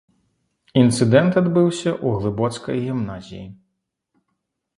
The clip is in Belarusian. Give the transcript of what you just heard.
Інцыдэнт адбыўся ў глыбоцкай гімназіі.